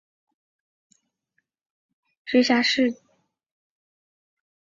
贝赫尔德拉夫龙特拉是西班牙安达卢西亚自治区加的斯省的一个市镇。